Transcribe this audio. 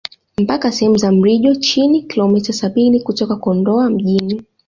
Mpaka sehemu za Mrijo Chini kilometa sabini kutoka Kondoa mjini